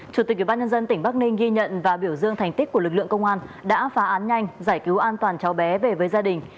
chủ tịch ubnd tỉnh bắc ninh ghi nhận và biểu dương thành tích của lực lượng công an đã phá án nhanh giải cứu an toàn cháu bé về với gia đình